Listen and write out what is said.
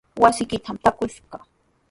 Wasiykitrawmi taakushaq.